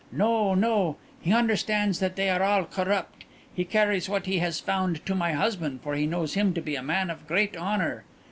No, no; he understands that they are all corrupt. He carries what he has found to my husband for he knows him to be a man of great honour.